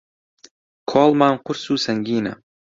کۆڵمان قورس و سەنگینە